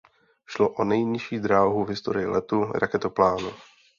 Šlo o nejnižší dráhu v historii letů raketoplánů.